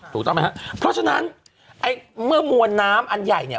ถูกต้องไหมครับเพราะฉะนั้นไอ้เมื่อมวลน้ำอันใหญ่เนี่ย